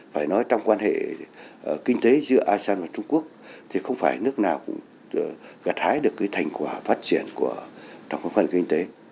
phải nói trong quan hệ kinh tế giữa asean và trung quốc thì không phải nước nào cũng gặt hái được cái thành quả phát triển trong phần kinh tế